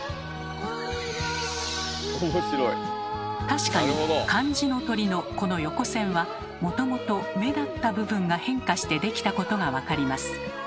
確かに漢字の「鳥」のこの横線はもともと目だった部分が変化して出来たことが分かります。